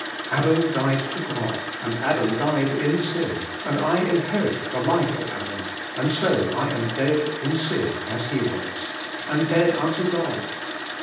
Adam died to God, and Adam died in sin, and I inherit the life of Adam, and so I am dead in sin as he was, and dead unto God.